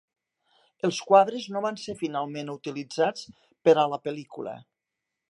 Els quadres no van ser finalment utilitzats per a la pel·lícula.